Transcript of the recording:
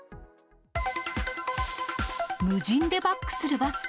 無人でバックするバス。